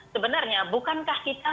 sebenarnya bukankah kita